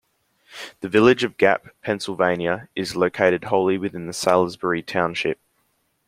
The village of Gap, Pennsylvania is located wholly within Salisbury Township.